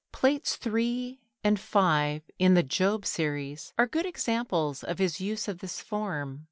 Plates III and V in the Job series are good examples of his use of this form.